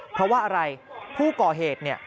เพราะว่าอะไรผู้ก่อเหตุเนี่ย